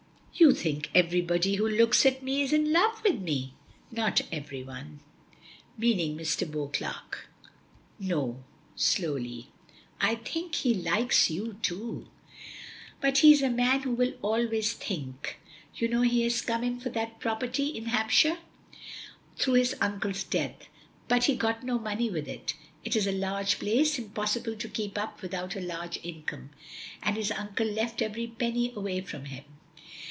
"You think everybody who looks at me is in love with me." "Not _every_one!" "Meaning Mr. Beauclerk." "No," slowly. "I think he likes you, too, but he is a man who will always think. You know he has come in for that property in Hampshire through his uncle's death, but he got no money with it. It is a large place, impossible to keep up without a large income, and his uncle left every penny away from him.